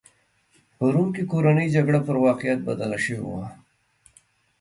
په روم کې کورنۍ جګړه پر واقعیت بدله شوې وه.